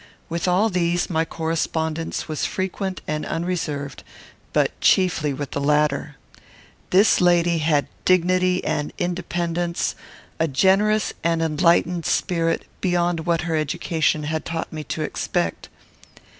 With all these my correspondence was frequent and unreserved, but chiefly with the latter. This lady had dignity and independence, a generous and enlightened spirit, beyond what her education had taught me to expect.